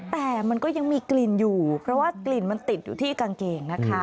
แต่มันก็ยังมีกลิ่นอยู่เพราะว่ากลิ่นมันติดอยู่ที่กางเกงนะคะ